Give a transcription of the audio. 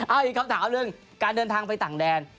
เอาอีกคำถามหนึ่งการเดินทางไปต่างแดน